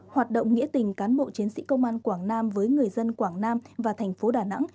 hoạt động nghĩa tình cán bộ chiến sĩ công an quảng nam với người dân quảng nam và thành phố đà nẵng